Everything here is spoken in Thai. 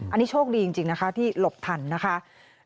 อันนี้โชคดีจริงนะคะที่หลบทันนะคะ